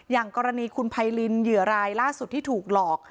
อย่างกรณีคุณไพรินเหยื่อรายล่าสุดที่ถูกหลอก